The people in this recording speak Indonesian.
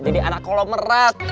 jadi anak kolomerat